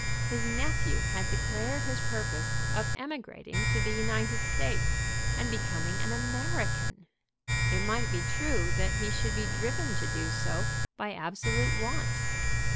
His nephew had declared his purpose of emigrating to the United States and becoming an American. It might be true that he should be driven to do so by absolute want.